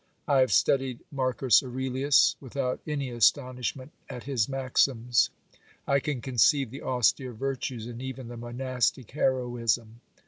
I have studied Marcus Aurelius without any astonishment at his maxims. I can conceive the austere virtues and even the monastic heroism.